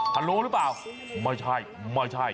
ะโลหรือเปล่าไม่ใช่ไม่ใช่